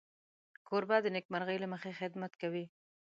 کوربه د نېکمرغۍ له مخې خدمت کوي.